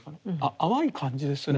淡い感じですね。